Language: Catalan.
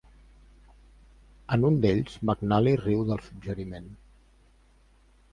En un d'ells, McNally riu del suggeriment.